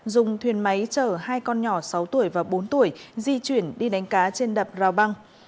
dùng thuyền máy chở hai con nhỏ sáu tuổi và bốn tuổi di chuyển đi đánh cá trên đập rào băng